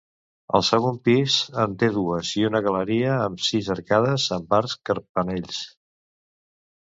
El segon pis en té dues i una galeria amb sis arcades amb arcs carpanells.